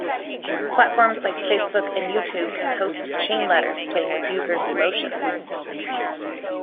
Platforms like Facebook and YouTube can host chain letters playing with users' emotions.